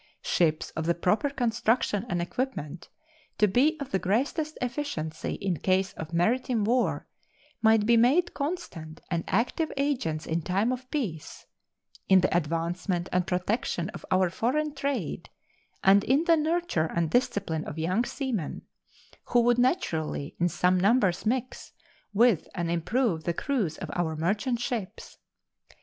Ships of the proper construction and equipment to be of the greatest efficiency in case of maritime war might be made constant and active agents in time of peace in the advancement and protection of our foreign trade and in the nurture and discipline of young seamen, who would naturally in some numbers mix with and improve the crews of our merchant ships.